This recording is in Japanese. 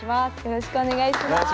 よろしくお願いします。